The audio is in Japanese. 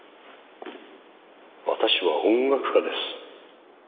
私は音楽家です。